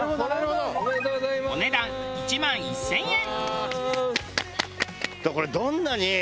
お値段１万１０００円。